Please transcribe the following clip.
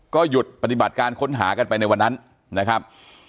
ก็หยุดปฏิบัติการค้นหากันไปในวันนั้นนะครับ